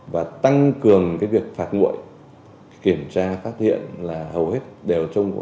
và tăng cường cái việc phạt nguội kiểm tra phát hiện là hầu hết đều trong vụ